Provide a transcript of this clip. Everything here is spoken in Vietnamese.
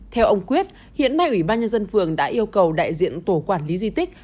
theo ông quyết hiện nay ủy ban nhân dân phường đã yêu cầu đại diện tổ quản lý di tích